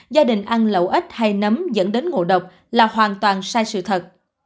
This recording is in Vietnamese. gia đình ăn lẩu ít hay nấm dẫn đến ngộ độc là hoàn toàn sai sự thật